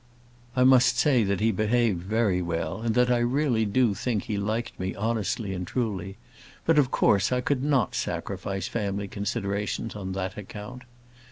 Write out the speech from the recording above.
I must say that he behaved very well, and that I really do think he liked me honestly and truly; but, of course, I could not sacrifice family considerations on that account.